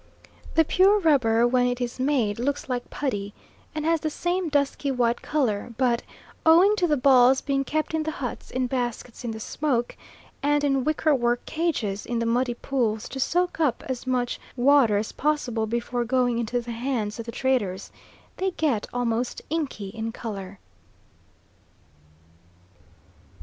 The pure rubber, when it is made, looks like putty, and has the same dusky white colour; but, owing to the balls being kept in the huts in baskets in the smoke, and in wicker work cages in the muddy pools to soak up as much water as possible before going into the hands of the traders, they get almost inky in colour.